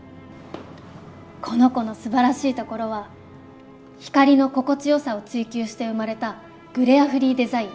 この子のすばらしいところは光の心地よさを追求して生まれたグレアフリーデザイン。